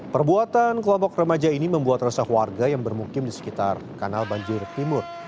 perbuatan kelompok remaja ini membuat resah warga yang bermukim di sekitar kanal banjir timur